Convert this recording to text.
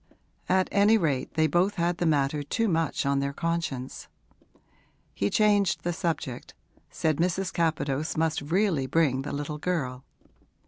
At any rate they both had the matter too much on their conscience. He changed the subject, said Mrs. Capadose must really bring the little girl.